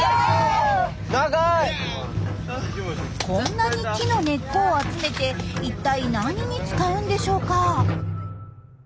こんなに木の根っこを集めて一体何に使うんでしょうか。